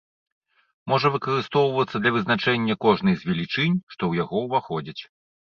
Можа выкарыстоўвацца для вызначэння кожнай з велічынь, што ў яго ўваходзяць.